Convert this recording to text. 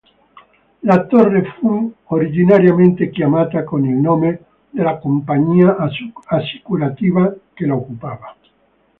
La torre fu originariamente chiamata con il nome della compagnia assicurativa che la occupava.